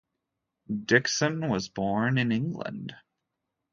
Dickson was born in England.